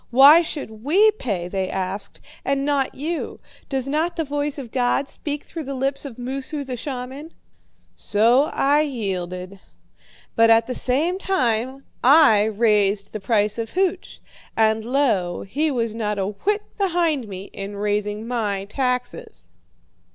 'Why should we pay,' they asked, 'and not you? Does not the voice of God speak through the lips of Moosu, the shaman?' So I yielded. But at the same time I raised the price of hooch, and lo, he was not a whit behind me in raising my taxes.